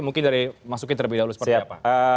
mungkin dari mas uki terlebih dahulu seperti apa